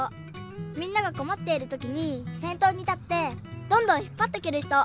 みんながこまっているときにせんとうにたってどんどんひっぱっていけるひと。